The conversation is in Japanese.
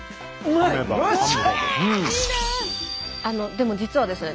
でも実はですね